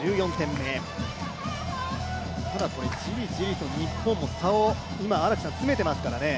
じりじりと日本も差を詰めていますからね。